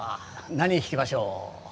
何弾きましょう？